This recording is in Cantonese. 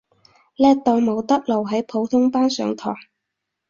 叻到冇得留喺普通班上堂